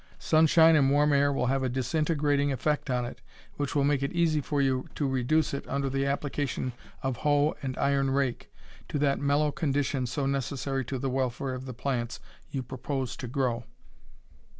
Sunshine and warm air will have a disintegrating effect on it, which will make it easy for you to reduce it under the application of hoe and iron rake to that mellow condition so necessary to the welfare of the plants you propose to grow.